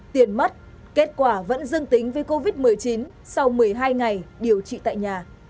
tiền mất kết quả vẫn dương tính với covid một mươi chín sau một mươi hai ngày điều trị tại nhà